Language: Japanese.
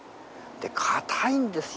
かたいんですよ。